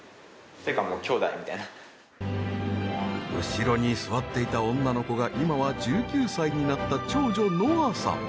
後ろに座っていた女の子が今は１９歳になった長女希歩さん。